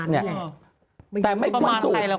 แต่ไม่ต้องสูบ